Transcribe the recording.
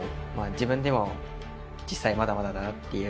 自分でも実際まだまだだなという。